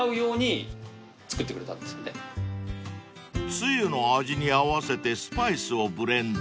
［つゆの味に合わせてスパイスをブレンド］